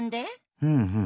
ふんふん。